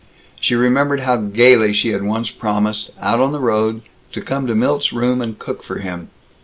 She remembered how gaily she had once promised, out on the road, to come to Milt's room and cook for him.